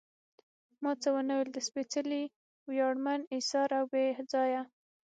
ما څه ونه ویل، د سپېڅلي، ویاړمن، اېثار او بې ځایه.